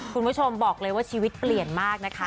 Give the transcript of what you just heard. คุณผู้ชมบอกเลยว่าชีวิตเปลี่ยนมากนะคะ